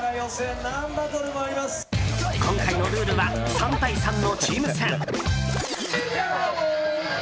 今回のルールは３対３のチーム戦。